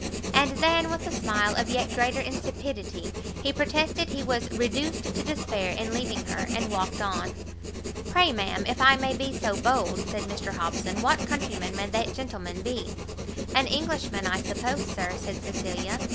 And then, with a smile of yet greater insipidity, he protested he was reduced to despair in leaving her, and walked on. "Pray, ma'am, if I may be so bold," said Mr Hobson, "what countryman may that gentleman be?" "An Englishman, I suppose, Sir," said Cecilia.